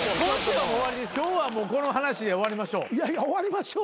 今日はもうこの話で終わりましょう。